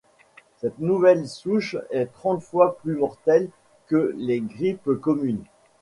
Cette nouvelle souche est trente fois plus mortelle que les grippes communes.